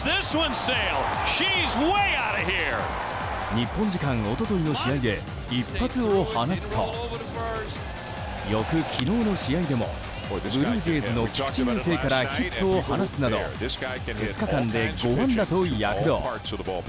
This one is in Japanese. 日本時間一昨日の試合で一発を放つと翌昨日の試合でもブルージェイズの菊池雄星からヒットを放つなど２日間で５安打と躍動。